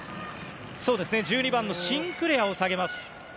１２番のシンクレアを下げます。